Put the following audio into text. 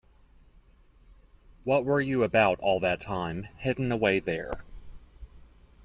What were you about all that time, hidden away there?